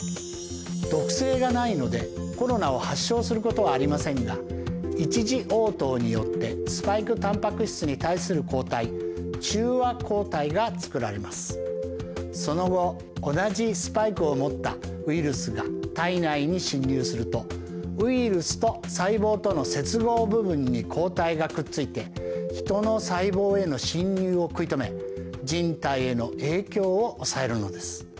毒性がないのでコロナを発症することはありませんがその後同じスパイクを持ったウイルスが体内に侵入するとウイルスと細胞との接合部分に抗体がくっついてヒトの細胞への侵入を食いとめ人体への影響を抑えるのです。